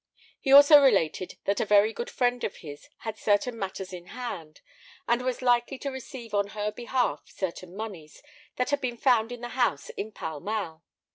He also related that a very good friend of his had certain matters in hand, and was likely to receive on her behalf certain moneys that had been found in the house in Pall Mall.